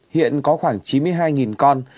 hiện có khoảng chín mươi hai con